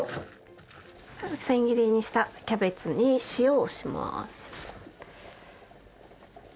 千切りにしたキャベツに塩をします。